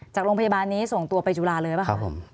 จากโรงพยาบาลนี้ส่งตัวไปจุฬาเลยป่ะคะ